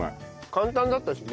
簡単だったしね。